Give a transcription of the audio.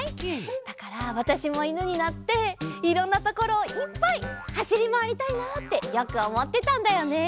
だからわたしもいぬになっていろんなところをいっぱいはしりまわりたいなってよくおもってたんだよね。